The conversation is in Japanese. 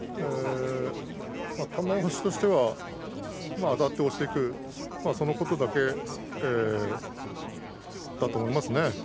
玉鷲としてはあたって押していくそのことだけだと思いますね。